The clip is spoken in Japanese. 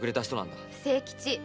清吉。